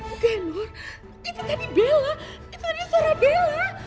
oke nur itu tadi bella itu tadi suara bella